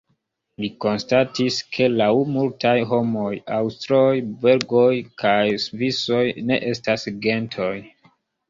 Li konstatis, ke laŭ multaj homoj, aŭstroj, belgoj kaj svisoj ne estas gentoj.